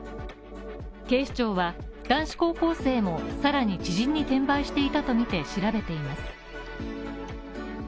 警視庁は、男子高校生もさらに知人に転売していたとみて調べています。